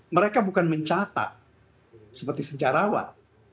mereka bukan mencatat seperti sejarawan